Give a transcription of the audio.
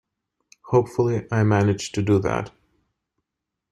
Hopefully, I managed to do that.